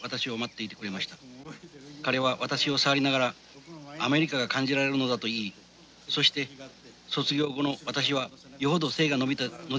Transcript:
彼は私を触りながらアメリカが感じられるのだと言いそして卒業後の私はよほど背が伸びたのではないかと訝りました。